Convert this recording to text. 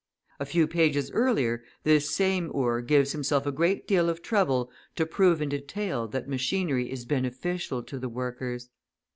A few pages earlier this same Ure gives himself a great deal of trouble to prove in detail that machinery is beneficial to the workers!